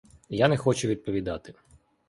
Я не хочу відповідати.